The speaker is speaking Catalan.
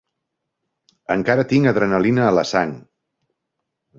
Encara tinc adrenalina a la sang.